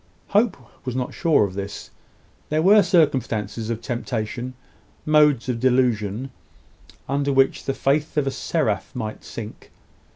Hope was not sure of this. There were circumstances of temptation, modes of delusion, under which the faith of a seraph might sink.